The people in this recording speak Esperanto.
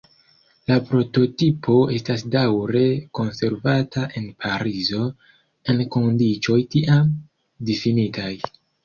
La prototipo estas daŭre konservata en Parizo, en kondiĉoj tiam difinitaj.